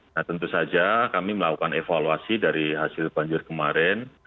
nah tentu saja kami melakukan evaluasi dari hasil banjir kemarin